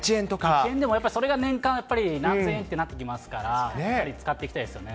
１円でも、それが年間、やっぱり何千円ってなってきますから、使っていきたいですよね。